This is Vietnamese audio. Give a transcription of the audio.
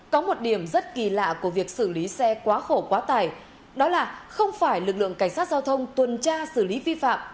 có một điểm rất kỳ lạ của việc xử lý xe quá khổ quá tải đó là không phải lực lượng cảnh sát giao thông tuần tra xử lý vi phạm